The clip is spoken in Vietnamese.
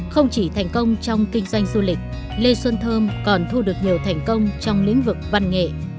không chỉ thành công trong kinh doanh du lịch lê xuân thơm còn thu được nhiều thành công trong lĩnh vực văn nghệ